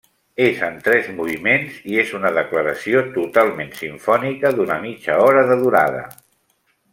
És en tres moviments i és una declaració totalment simfònica d'una mitja hora de durada.